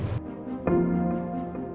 ini om baik